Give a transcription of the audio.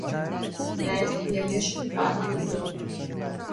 Mēs ieviešam kārtību.